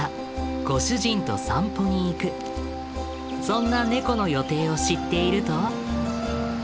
そんなネコの予定を知っていると。